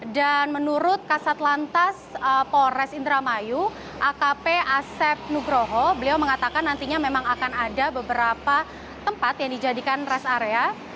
dan menurut kasat lantas polres indramayu akp asep nugroho beliau mengatakan nantinya memang akan ada beberapa tempat yang dijadikan res area